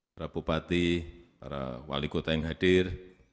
para bupati para wali kota yang hadir